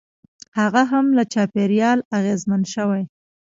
هغه هم له چاپېریال اغېزمن شوی.